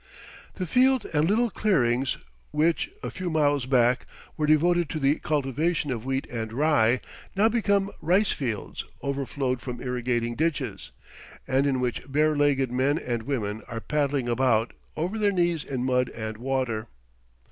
The fields and little clearings which, a few miles back, were devoted to the cultivation of wheat and rye, now become rice fields overflowed from irrigating ditches, and in which bare legged men and women are paddling about, over their knees in mud and water.